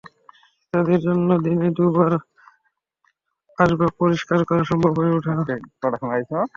তাঁদের জন্য দিনে দুবার আসবাব পরিষ্কার করা সম্ভব হয়ে ওঠে না।